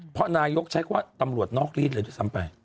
เพราะนายกใช้คำว่าตำรวจนอกรีดเลยด้วยซ้ำไป